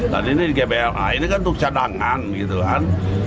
dan ini di gba ini kan untuk cadangan gitu kan